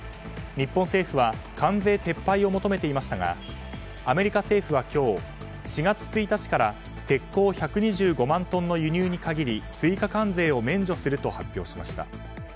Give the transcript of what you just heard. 日本政府は関税撤廃を求めていましたがアメリカ政府は今日４月１日から鉄鋼１２５万トンの輸入に限り追加関税を免除すると発表しました。